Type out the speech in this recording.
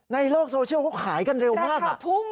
ในโลกโซเชียลเขาขายกันเร็วมาก